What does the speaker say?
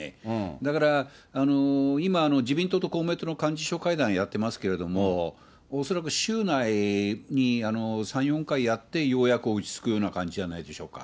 だから、今、自民党と公明党の幹事長会談やってますけども、恐らく週内に３、４回、やってようやく落ち着くような感じじゃないでしょうか。